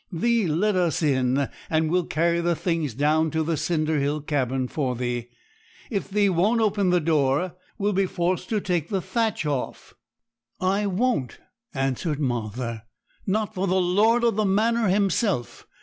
Thee let us in, and we'll carry the things down to the cinder hill cabin for thee. If thee won't open the door, we'll be forced to take the thatch off.' 'I won't,' answered Martha, 'not for the lord of the manor himself.